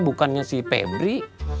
bukannya si febri